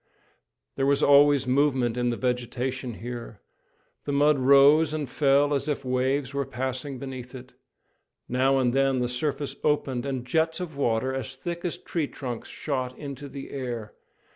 There was always movement in the vegetation here. The mud rose and fell as if waves were passing beneath it. Now and then the surface opened, and jets of water as thick as tree trunks shot into the air.